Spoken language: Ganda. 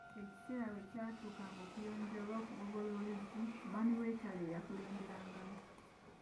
Ekiseera bwe kyatuukanga okuyonja oba okugogola oluzzi, omwami w'ekyalo ye yakulemberangamu.